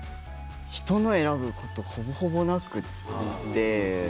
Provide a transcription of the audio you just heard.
人のを選ぶことはほぼほぼなくて。